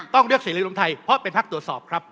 ต้องเลือกเสรีรวมไทยเพราะเป็นพักตรวจสอบครับ